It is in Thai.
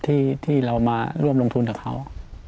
ที่เรามาร่วมลงทุนกับเขา